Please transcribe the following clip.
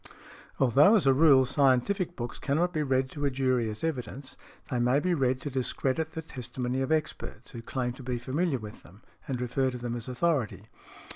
Although, as a rule, scientific books cannot be read to a jury as evidence, they may be read to discredit the testimony of experts, who claim to be familiar with them and refer to them as authority.